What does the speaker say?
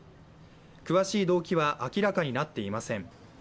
詳しい動機は明らかになっていません。